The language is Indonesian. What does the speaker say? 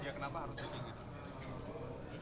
iya kenapa harus dipinggit